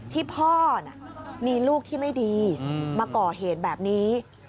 ที่พ่อมีลูกที่ไม่ดีมาก่อเหตุแบบนี้